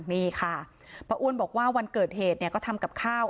นี่ค่ะป้าอ้วนบอกว่าวันเกิดเหตุเนี่ยก็ทำกับข้าว